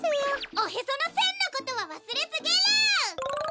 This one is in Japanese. おへそのせんのことはわすれすぎる！